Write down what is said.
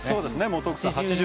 もう徳さん８０